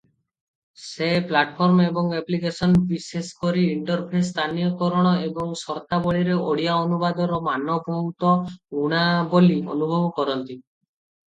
ସେ ପ୍ଲାଟଫର୍ମ ଏବଂ ଆପ୍ଲିକେସନ, ବିଶେଷକରି ଇଣ୍ଟରଫେସ୍ ସ୍ଥାନୀୟକରଣ ଏବଂ ସର୍ତ୍ତାବଳୀରେ ଓଡ଼ିଆ ଅନୁବାଦର ମାନ ବହୁତ ଊଣା ବୋଲି ଅନୁଭବ କରନ୍ତି ।